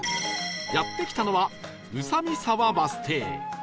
やって来たのは宇佐見沢バス停